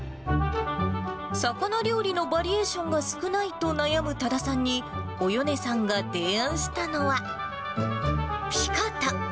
魚料理のバリエーションが少ないと悩む多田さんに、およねさんが提案したのは、ピカタ。